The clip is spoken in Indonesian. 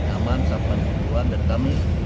aman sabar dan kebutuhan dari kami